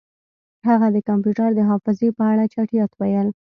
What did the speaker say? هغه د کمپیوټر د حافظې په اړه چټیات ویل